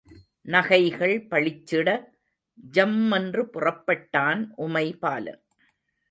நகைகள் பளிச்சிட ஜம்மென்று புறப்பட்டான் உமைபாலன்.